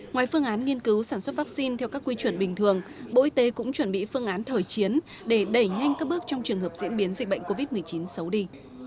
ngoài phương án nghiên cứu sản xuất vaccine theo các quy chuẩn bình thường bộ y tế cũng chuẩn bị phương án thời chiến để đẩy nhanh các bước trong trường hợp diễn biến dịch bệnh covid một mươi chín xấu đi